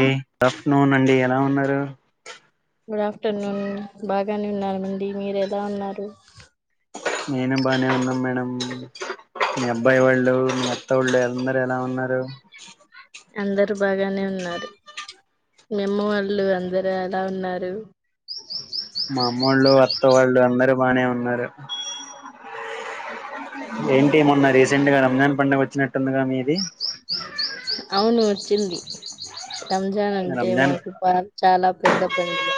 ఆ good afternoon అండి ఎలా ఉన్నారు గుడ్ ఆఫ్టర్నూన్ బాగానే ఉన్నామండి మీరు ఎలా ఉన్నారు నేను బానే ఉన్నా మేడం మీ అబ్బాయి వాళ్ళు మీ అత్త ఓలు అందరు ఎలా ఉన్నారు అందరు బాగానే ఉన్నారు మీ అమ్మ వాళ్ళు అందరూ ఎలా ఉన్నారు మా అమ్మవోలు అత్త వాళ్ళు అందరు బానే ఉన్నారు ఏంటి మొన్న రీసెంట్ గా రంజాన్ పండగ వచ్చినట్టుందిగా మీది అవును వచ్చింది రంజాన్ అంటే రంజాన్ మాకు పా చాలా పెద్ద పండుగ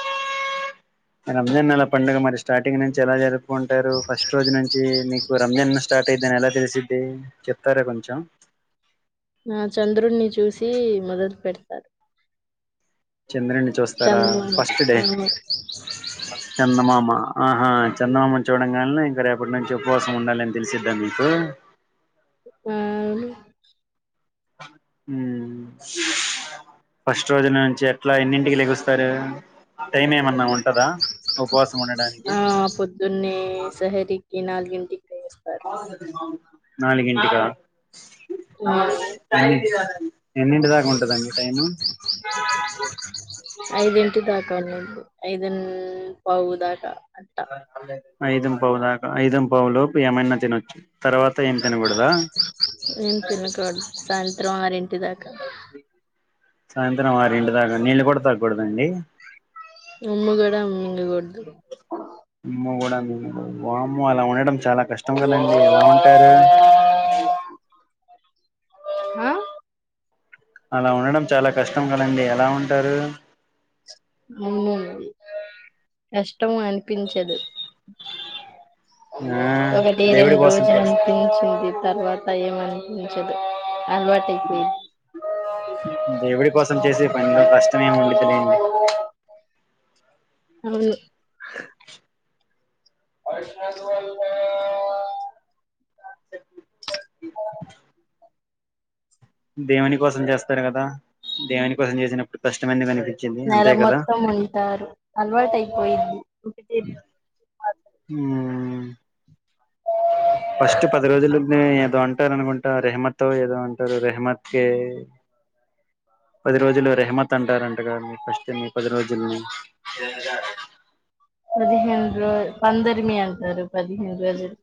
రంజాన్ నెల పండగ మరి స్టార్టింగ్ నుంచి ఎలా జరుపుకుంటారు ఫస్ట్ రోజు నుంచి మీకు రంజన్ స్టార్ట్ అయిదని ఎలా తెలిసిది చెప్తారా కొంచెం ఆ చంద్రుని చూసి మొదలు పెడతారు చంద్రుడిని చూస్తారా చందమామ ఫస్ట్ డే అవును చందమామ ఆహా చందమామను చూడంగానే ఇగ రేపటి నుంచి ఉపవాసం ఉండాలి అని తెలిసిద్దా మీకు ఆ అండి హ్మ్ ఫస్ట్ రోజు నుంచి అట్లా ఎన్నింటికి లెగుస్తారు టైమ్ ఏమన్నా ఉంటదా ఉపవాసం ఉండడానికి ఆ పొద్దున్నే సెహరికి నాలుగింటికి లేస్తారు నాలుగింటికా ఆ ఐదుంటి దాకా అండి ఐదన్ పావుదాకా ఐదుం పావు దాకా ఐదుం పావు లోపు ఏమైనా తినొచ్చు తర్వాత త ఎం తినకూడద రారింటిదాకా సాయంత్రం అరింటి దాకా నీళ్ళు కూడా తాకూడద అండి ఉమ్ము కూడా మింగకూడదు అమ్మో కూడా వామ్మో అలా ఉండడం చాలా కష్టం కదండి ఎలా ఉంటారు. హా అలా ఉండడం చాలా కష్టం కదండి ఎలా ఉంటారు మూన్ కష్టం అనిపించదు ఆ ఒకటి దేవుడి రెండు కోసం రోజు చేస్త అనిపించింది తర్వాత ఏమనిపించదు అలవాటైపోయిది దేవుడి కోసం చేసే పనిలో కష్టమేముండిదిలేండి అవును దేవుని కోసం చేస్తరు కదా దేవుని కోసం చేసినప్పుడు కష్టమైనదని నెల మొత్తం ఉంటారు అలవాటైపోయిద్ది. మ్మ్ ఫస్ట్ పది రోజులు ఏదో అంటారు అనుకుంటా రెహమత్ ఏదో అంటారు రెహమత్క్ ఏ పది రోజులు రెహమత్ అంటారంటగా మీ ఫస్ట్ మీ పది రోజుల్ని పదిహేను రోజ పందరిమి అంటారు పదిహేను రోజుల్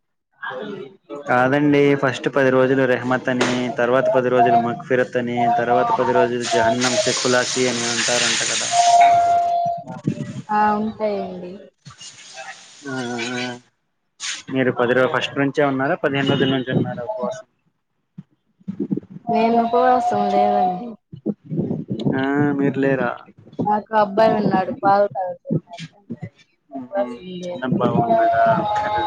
కాదండి ఫస్ట్ పది రోజులు రెహమత్ తని తర్వాత పది రోజులు మగ్ఫిరతని తర్వాత పది రోజులు [unintelligible] చెక్కులాసి అని అంటార్ ఆ ఉంటాయండి ఆ మీరు పది రజ ఫస్ట్ నుంచే ఉన్నారా పదిహెనిమిది నుంచి ఉన్నార ఉపవాసం నేను ఉపవాసం లేదండి ఆ మీర్ లేరా నాకబ్బాయి ఉన్నాడు పాలు తాగుతున్నాడు ఉహు బస్ వుందే ఆ చిన్న బాగున్నాడా అందుకనే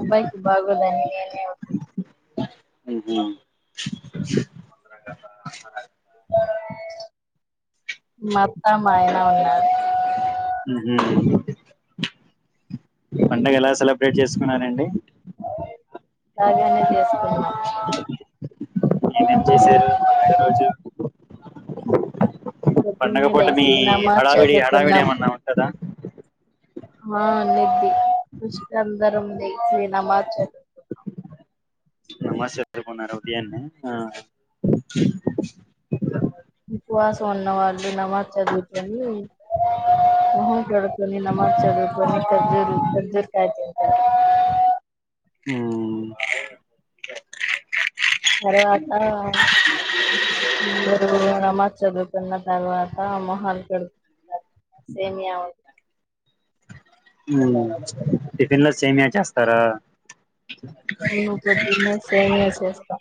అబ్బాయికి బాగోదన్ని నేనే ఉహు మా అత్త మా ఆయన ఉన్నారు పండగెలా సెలబ్రేట్ చేసుకున్నారండి. బాగనే చేసుకు ఏమేమ్ చేసారు పండుగ రోజు పొద్దున్నే పండగపూట మీ లేసి నమాజ్ హడావిడి హడావిడి చదువుకున్నాం ఏమన్నా ఉంటుందా ఆ ఉండిద్ది సృష్టి అందరంది శ్రీ నమాజుతున్నాం నమాజు చదువుకున్నారా అండి హా ఉపవాసం ఉన్న వాళ్ళు నమాజ్ చదువుకొని మొహం కడుక్కుని నమాజ్ చదువుతు కర్జూరు కర్జూర్ కయత ఉమ్ తరువాత అందరూ నమాజ్ చదువుకున్న తర్వాత మొహాలు కడుకుంటారు. సేమియా టిఫిన్లో సేమీయా చేస్తారా మేము పొద్దున్నే సేమియా చేస్తాం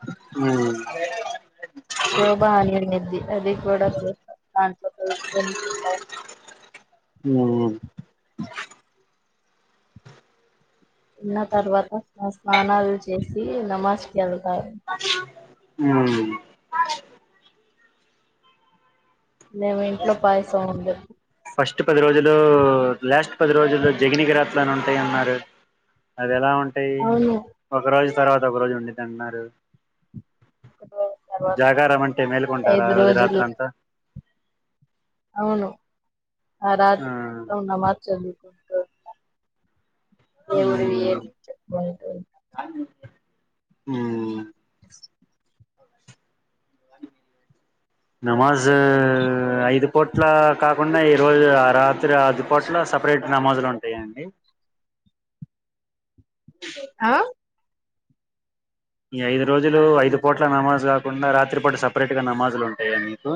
ఉమ్ శోభ అనిద్ది అది కూడా [unintelligible] ఉమ్ తిన్న తర్వాత స్నానాలు చేసి నమాజ్కెల్ ఉ మేమింట్లో పాయసం ఉండ ఫస్ట్ పది రోజులూ లాస్ట్ పది రోజులు జిగనిగిట్లుని ఉంటాయన్నారు అదెలా ఉంటయ్ అవును ఒక రోజ్ తర్వాతొగ రోజు ఉండిద్దంట్నారు. ఒక రో జాగారమంటె మేల్కుంటారా ఆ రోజ్ రాత్రంత. ఔను ఆ రాత్రి మొత్తం నమాజ్ చదువ్ కుంటూ ఉంటాం. ఊమ్ ఊమ్. నమాజ్ ఐదు పూట్లా కాకుండా ఈరోజు ఆ రాత్రి ఆదిపొట్ల సప్రేట్ నమాజులుంటయా అండి. ఆ. ఈ ఐదు రోజులూ ఐదు పూట్ల నమాజ్ గాకుండా రాత్రిపూట సప్రేట్గ నమాజులుటయా మీకూ.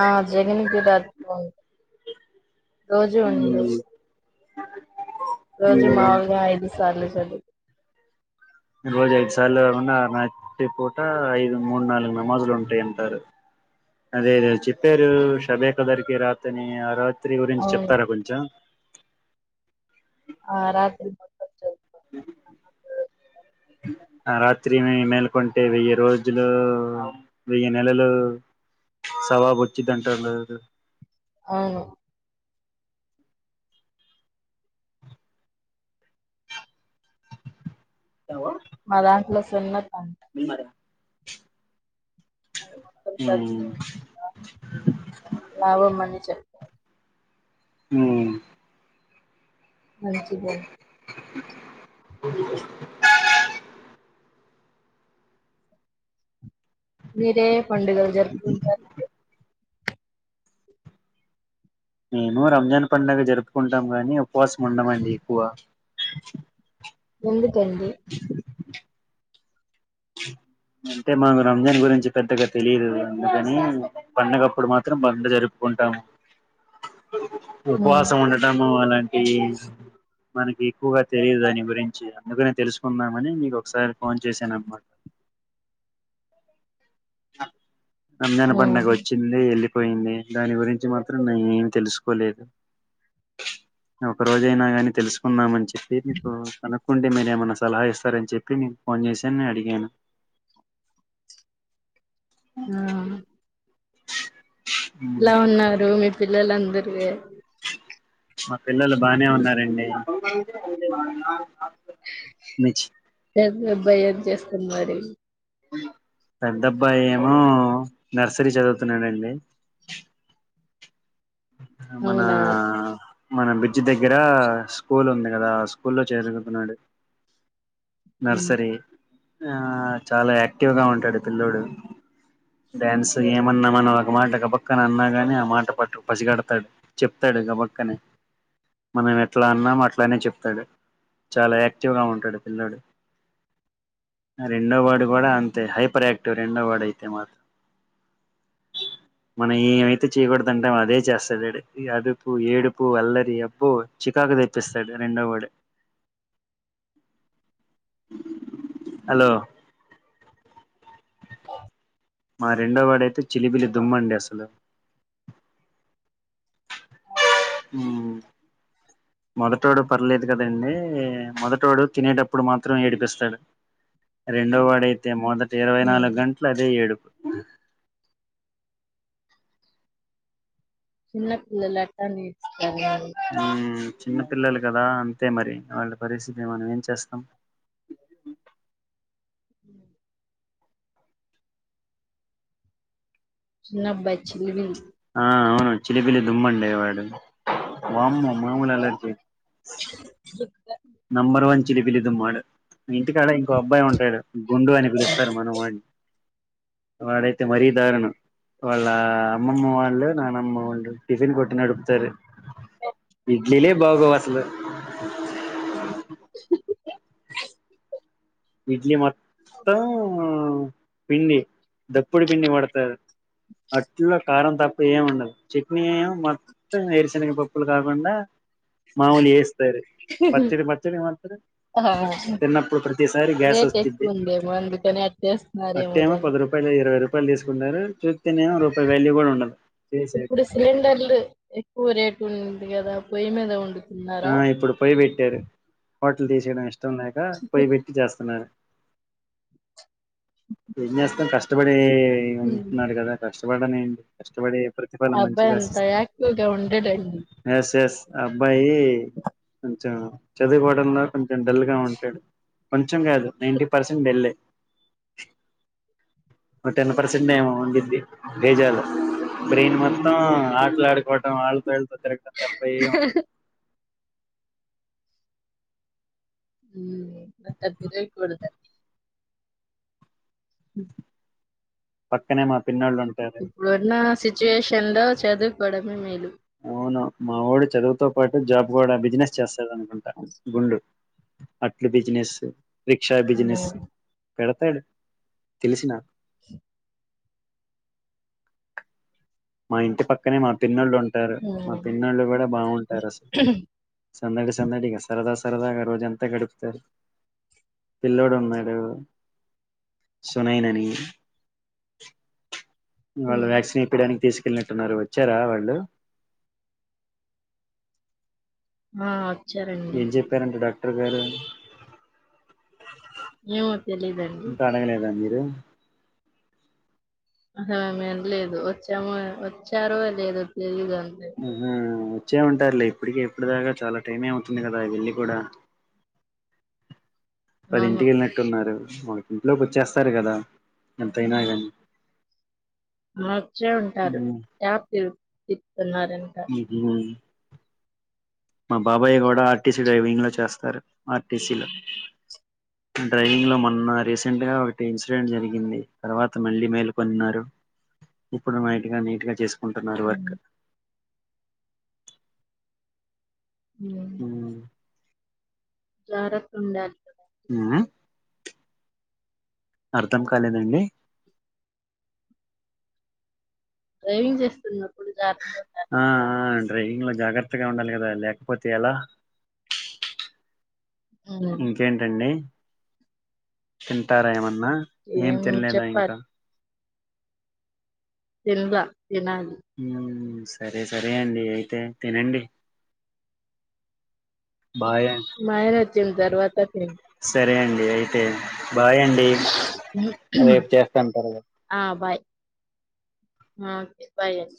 ఆ జగనికి [unintelligible] రోజూ ఉండవ్. ఉమ్, రోజు ఉమ్. మావుల్గా ఐదుసార్లు చదువ్ రోజైద్ సార్లు గాకుండా రాత్రి పూటా ఐదు మూన్నాల్గు నమాజులుంటాయంటారు. అదేదొ చెప్పారూ షెబేక్ దర్కి రాత్తని ఆ రా త్రి గురించి అవును చెప్తారా కొంచెం. ఆ రాత్రి మొత్తం చదువ్ ఆ రాత్రి మి మేలుకొంటె వెయ్యి రోజులూ వెయ్యి నెలలూ సవాబొచ్చిదంట [unintelligible] ఔను. మ దాంట్లొ సున్నత్త మీ మర నైట్ మొత్తం చదువుతూ ఉమ్ ఉంటం గా [unintelligible] మని చెప్ ఊమ్. మంచిదని. [inaudible] మీరే పండుగల్ జరుప్కుంటారండి నేను రంజాన్ పండగ జరుప్కుంటాం గానీ ఉపవాసముండమండి ఎక్కువ. ఎందుకండి అంటే మాకు రంజాన్ గురించి పెద్దగ తెలీదు అందుకనీ పండగప్పుడు మాత్రం పండ జరుప్ ఉంటాము ఉమ్ ఉపవాసముండటమూ అలాంటివీ మనకి ఎక్కువగా తెలీదు దాని గురించి అందుకనే తెలుస్కుందామని మీకొక్సారి ఫోన్ చేసానమ్మ. రంజాన్ ఉమ్ పండగ వచ్చింది యెళ్ళి పొయ్ంది దాని గురించి మాత్రం నేనేం తెలుస్కోలేదు. ఒక రోజైనా గాని తెలుస్కుందామన్ చెప్పీ మీకు కనుక్కుంటె మీరేమన్న సలా ఇస్తారన్ చెప్పి మీక్ ఫోన్ చేసాన్ నే అడి గ్యాస్. ఊమ్. లా ఉన్నారు మీ పిల్లలందరు ఎ మ పిల్లలు బానే ఉన్నారండి. మిచ్ మి అబ్బాయేం చేస్తున్ మరీ పెద్దబ్బాయేమో నర్సరీ చదువుతున్నాడండి. మన అవునా మన బ్రిడ్జ్ దగ్గర స్కూల్ ఉంది కదా ఆ స్కూ లో చేరుగుతున్నాడు ఉమ్ నర్సరీ ఆ చాలా యాక్టివ్గా ఉంటాడు పిల్ల్లోడు డ్యాన్స్ ఏమన్న మనమొక మాట గబక్కన అన్నాగాని ఆ మాట పట్టు పసిగడ్తాడ్ చెప్తాడు గబక్కనె మనమెట్లా అన్నామట్లనే చెప్తడు. చాలా యాక్టివ్గ ఉంటాడు పిల్లోడు. మా రెండో వాడు గుడ అంతే హైపర్ ఆక్టివ్ రెండో వాడు అయితే మాత్ మనం ఏవైతే చేయకూడదంటమో అదే చేస్తడు ఈడు ఇగ అదుపు ఏడుపు అల్లరి అబ్బో చికాక్ తెప్పిసడు రెండొ వడె హలో మా రెండొ వాడైతే చిలిబిలి దుమ్ అండి అసలు ఆ మొదటోడు పర్లేద్ కదండి మొదటోడు తినేటప్పుడు మాత్రం ఏడిపిస్తడు రెండొ వాడయ్తె మొదటి ఇరవై ఉమ్ నాలుగు గంటలు అదే ఏడుపు చిన్నపిల్లలు అట్టనే ఊ చిన్న పిల్లలు గదా అంతే మరి ఆళ్ళ పరిస్థితి మనం ఏం చేస్తం ఉ చిన్నబాయ్ చిలిబిలి ఆ ఔను చిలిబిలి దుమ్మండి వాడు వామ్మో మాముల్ అల్లరి చెయ్డ్ నంబర్ వన్ చిలిబిల్ దుమ్ ఆడు ఇంటికాడ ఇంకో అబ్బాయి ఉంటడు గుండు అని పిలుస్తరు మన వాన్ని వాడైతే మరీ దారునం వాళ్ళ అమ్మమ్మ వాళ్ళు నానమ్మ వాళ్ళు టిఫిన్ కొట్ నడుపుతారు ఇడ్లీలే బాగొవ్ అసలు [inaudible] ఇడ్లీ మొత్తం పిండి దప్పుడి పిండి వాడతరు అట్ల కారం తకువ్ ఎం ఉండవ్ చట్నీ ఏమో మొత్తం ఏరుశనగ పప్పులు గాకుండ మాముల్ ఏస్తరు పచ్చడి పచ్చడి మత్రం ఆ తిన్నపుడు ప్ర ప్రత్తిసారి గ్యాస్ రేట్ ఒస్తుది ఎక్కువ ఉందేమో అందుకని అట్టే అట్టేస్తున్నారేమో ఏమో దాన్ని పది రూపాయలు ఇరవై రూప పలు చెసుకుంటరు చెప్ ఇప్పుడు సిలిండర్లు ఎక్కువ రేటు ఉంది గద పొయ్యి మీద వొండు ఆ ఇప్పుడు పొయ్యి పెట్టారు హోటలు తిసెయడం ఇష్టం లేక పొయ్యి పెట్టి చేస్తున్నరు ఏం జెస్తాం కష్టపడే ఉమ్. ఉంట్నర్ గద కష్టపడన్ ఏంట్ కష్టపడే ఆ ప్రతిఫలం మంచిగ అబ్బాయి అంత ఆశిస్తది యాక్టివ్ గా ఉండడండి ఎస్ ఎస్ ఆ అబ్బాయి కొంచెం చదువుకోడంలో కొంచెం డల్ గా ఉంటడు కొంచెం గాదు నైటీ పర్సెంట్ డల్ ఏ ఒ టెన్ పర్సెంట్ ఏమో ఉండిది లెజాలు బ్రెయిన్ మొత్తం ఆట్లాడుకోటం ఆళ్తో ఇళ్తో తిరకటం తప్ప ఎం ఉండదు ఉమ్ [unintelligible] కూడదా ఉ పక్కనే మత్ ఇప్పుడు ఉన్న సిట్యుయేషన్లో చదువుకొడమే మేలు ఔను మా ఒడు చదువుతో పాటు జాబ్ గుడ బిజినెస్ చేస్తడు అనుకుంట గుండు అట్లు బిజినెస్ రిక్షా ఉమ్, బిజినెస్ పెడ్తడు తెలుస్ నాక్ మా ఇంటి పక్కనే మా పిన్నోళ్లు ఉ టారు మా ఉమ్, పిన్నోళ్ళు గుడ బాగుంటరు అసలు సందడి సందడిగ సరద స సరదాగ రోజంత గడుప్తరు పిల్లోడు ఉన్నడు సునైనా నీది వాళ్ళు ఉమ్. వ్యాక్సిన్ ఇప్పిడానికి తిసుకెళ్ళినట్టున్నరు ఒచ్చార వాళ్ళు ఆ వచ్చారండి ఏం చెప్పారండి డాక్టర్ గారు ఏమో తెలీదండి ఇంక అడగలేదా మీరు అసలామె ఏం లేదు వచ్చాము వచ్చారో లేదు తెలియదు ఉహు వచ్చే ఉంటారులే ఇప్పటికి ఇప్పుడు దాకా చాలా టైమే అవుతుంది కదా వెళ్ళి కూడా అవును పదింటికెళ్ళినట్టున్నారు మనకింట్లోకి వచ్చేస్తారు కదా ఎంతయినా గానీ వచ్చే ఉంటారు ఎవతీర్ తీ ఇది నాది మా బాబాయ్ కూడా ఆర్టీసీ డ్రైవింగ్ లో చేస్తారు ఆర్టీసీలో డ్రైవింగ్ లో మొన్న రీసెంట్గా ఒకటి ఇన్సిడెంట్ జరిగింది తర్వాత మళ్ళీ మేల్కొన్నారు ఇప్పుడు మైట్ గా నీట్ గా చేసుకుంటున్నారు హ్మ్. వర్క్ ఊ జారత్త ఉండాలి అర్ధం కాలేదండి డ్రైవింగ్ చేస్తున్నప్పుడు జాగ్రత్తగుండాలి ఆ కదా! ఆ డ్రైవింగ్ ల జాగ్రత్తగా ఉండాలి కదా లేకపోతే ఎలా హ్మ్. ఇంకేంటండి తింటారా ఏమ న్నా ఏం తినలేదా ఇంకా తెన్ల తినాలి ఉమ్ సరే సరే అండి అయితే తినండి బాయ్ మా ఆయన వచ్చిన తర్వాత తింటా. సరే అండి అయితే బాయండి రేపు చేస్తాను తర్వాత హ ఓకే బాయ్ అండి